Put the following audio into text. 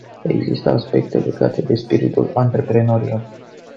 Există aspecte legate de spiritul antreprenorial.